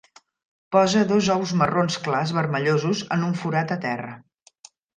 Posa dos ous marrons clars vermellosos en un forat a terra.